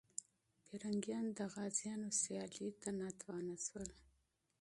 پرنګیان د غازيانو مقابلې ته کمزوري سول.